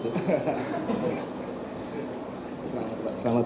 dua ya ini satu